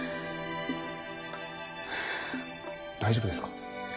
大丈夫ですか？